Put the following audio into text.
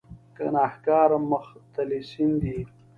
ګناهکار مختلسین دي.